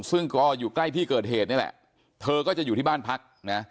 ซึ่งก็อยู่ใกล้ที่เกิดเหตุนี่แหละเธอก็จะอยู่ที่บ้านพักนะ